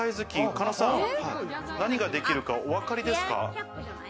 狩野さん、何ができるか、お分かりですか？